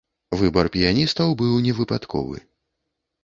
Выбар піяністаў быў не выпадковы.